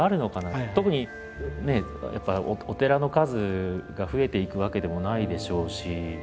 特にねやっぱりお寺の数が増えていくわけでもないでしょうし。